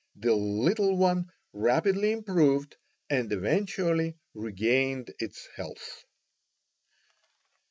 The little one rapidly improved, and eventually regained its health.